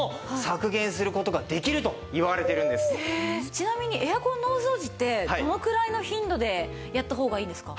ちなみにエアコンのお掃除ってどのくらいの頻度でやった方がいいんですか？